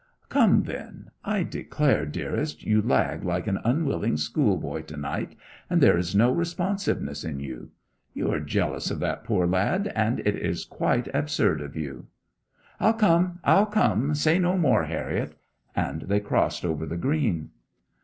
'Come, then. I declare, dearest, you lag like an unwilling schoolboy to night, and there's no responsiveness in you! You are jealous of that poor lad, and it is quite absurd of you.' 'I'll come! I'll come! Say no more, Harriet!' And they crossed over the green.